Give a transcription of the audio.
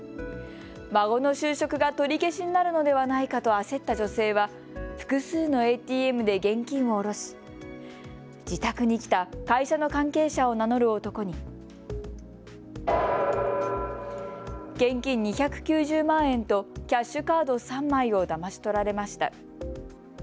孫の就職が取り消しになるのではないかと焦った女性は複数のＡＴＭで現金を下ろし自宅に来た会社の関係者を名乗る男に現金２９０万円とキャッシュカード３枚をだまし取られました。